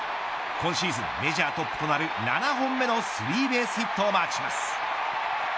今シーズンメジャートップとなる７本目のスリーベースヒットをマークします。